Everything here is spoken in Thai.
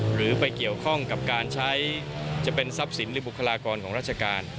หรือไปเกี่ยวข้องกับการใช้จะเป็นทรัพย์สินหรือบุคลากรของราชการ